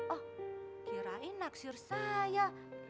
oh kirain naksir saya